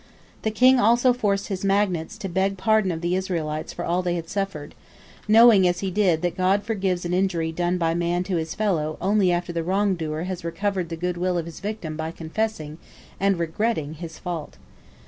The king also forced his magnates to beg pardon of the Israelites for all they had suffered, knowing as he did that God forgives an injury done by man to his fellow only after the wrong doer has recovered the good will of his victim by confessing and regretting his fault.